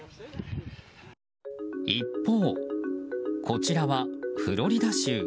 一方、こちらはフロリダ州。